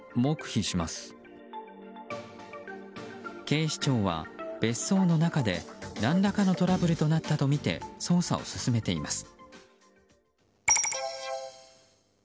警視庁は別荘の中で何らかのトラブルとなったとみて捜査を進めています。